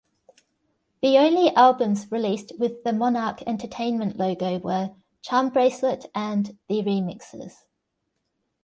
The only albums released with the Monarc Entertainment logo were "Charmbracelet" and "The Remixes".